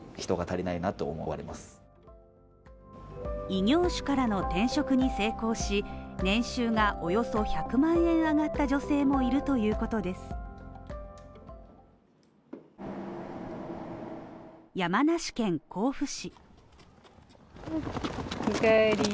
異業種からの転職に成功し、年収がおよそ１００万円上がった女性もいるということです山梨県甲府市。